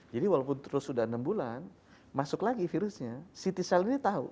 jadi walaupun terus udah enam bulan masuk lagi virusnya si t cell ini tau